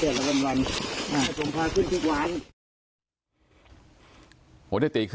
ทำไมเนี่ยข่าวที่อยู่